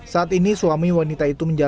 saat ini suami wanita ini tidak tahu